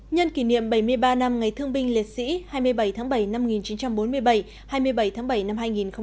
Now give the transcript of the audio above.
nhân kỷ niệm bảy mươi ba năm ngày thương binh liệt sĩ hai mươi bảy tháng bảy năm một nghìn chín trăm bốn mươi bảy hai mươi bảy tháng bảy năm hai nghìn một mươi chín